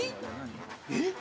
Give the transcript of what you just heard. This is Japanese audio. えっ？